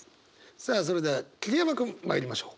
さあそれでは桐山君まいりましょう。